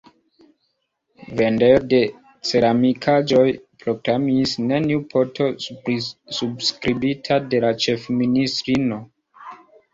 Vendejo de ceramikaĵoj proklamis: “Neniu poto subskribita de la ĉefministrino.